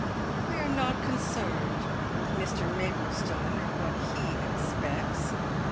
"We are not concerned with Mr Maplestone, or what he expects.